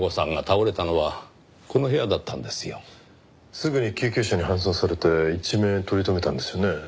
すぐに救急車で搬送されて一命取り留めたんですよね。